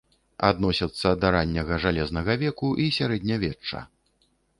Адносяцца да ранняга жалезнага веку і сярэднявечча.